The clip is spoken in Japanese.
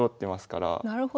なるほど。